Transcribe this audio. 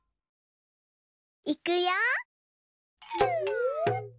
いくよ！